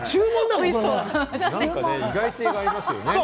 意外性がありますよね。